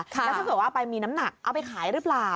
แล้วถ้าเกิดว่าไปมีน้ำหนักเอาไปขายหรือเปล่า